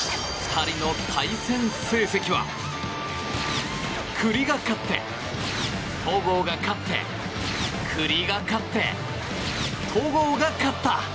２人の対戦成績は九里が勝って戸郷が勝って、九里が勝って戸郷が勝った。